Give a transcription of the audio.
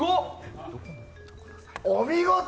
お見事。